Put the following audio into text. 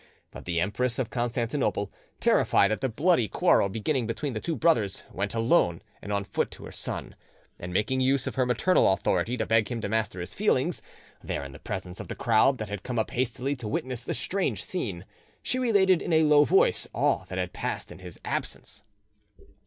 But the Empress of Constantinople, terrified at the bloody quarrel beginning between the two brothers, went alone and on foot to her son, and making use of her maternal authority to beg him to master his feelings, there in the presence of the crowd that had come up hastily to witness the strange scene, she related in a low voice all that had passed in his absence.